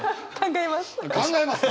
考えます。